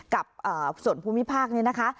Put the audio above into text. กับส่วนภูมิภาคนี้นะคะ